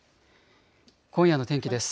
今夜の天気です。